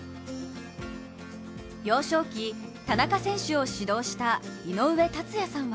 幼少期、田中選手を指導した井上達也さんは